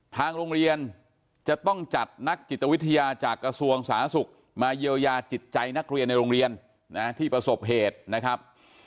ทางโรงเรียนจะต้องจัดนักจิตวิทยาจากกระทรวงสาธารณสุขมาเยียวยาจิตใจนักเรียนในโรงเรียนนะที่ประสบเหตุนะครับ